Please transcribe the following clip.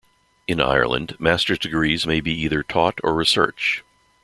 In Ireland, master's degrees may be either Taught or Research.